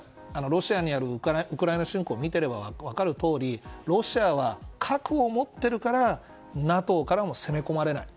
ロシアによるウクライナ侵攻を見れば分かるとおりロシアは核を持ってるからＮＡＴＯからも攻め込まれない。